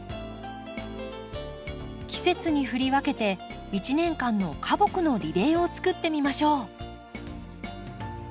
季節に振り分けて一年間の花木のリレーを作ってみましょう。